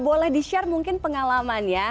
boleh di share mungkin pengalaman ya